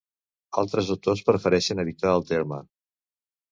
Altres autors prefereixen evitar el terme.